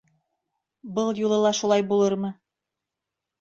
Был юлы ла шулай булырмы?